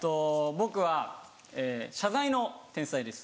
僕は謝罪の天才です。